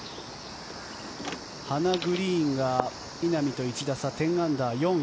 ハナ・グリーンが稲見と１打差１０アンダー４位